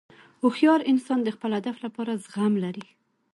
هوښیار انسان د خپل هدف لپاره زغم لري.